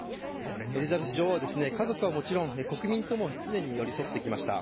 エリザベス女王は家族はもちろん国民とも常に寄り添ってきました。